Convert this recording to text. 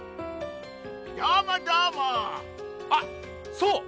あっそう。